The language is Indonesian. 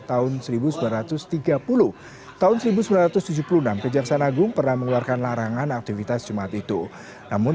tahun seribu sembilan ratus tiga puluh tahun seribu sembilan ratus tujuh puluh enam kejaksaan agung pernah mengeluarkan larangan aktivitas jemaat itu namun